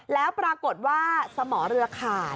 แล้วปรากฏว่าสมอเรือขาด